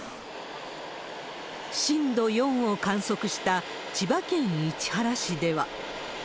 震度４を観測した千葉県市原市では。